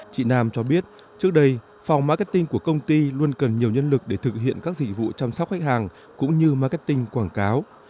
chị nam cho biết trước đây phòng marketing của công ty luôn cần nhiều nhân lực để thực hiện các dịch vụ chăm sóc khách hàng cũng như marketing quảng cáo